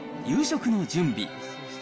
夕食の準備。